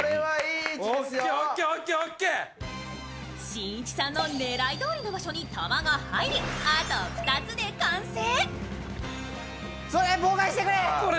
しんいちさんの狙いどおりの場所に玉が入り、あと２つで完成。